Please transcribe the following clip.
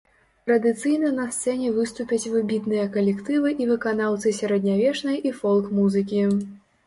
Традыцыйна на сцэне выступяць выбітныя калектывы і выканаўцы сярэднявечнай і фолк-музыкі.